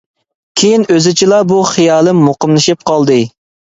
كىيىن ئۆزىچىلا بۇ خىيالىم مۇقىملىشىپ قالدى.